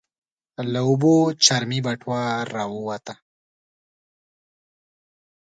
له اوبو چرمي بټوه راووته.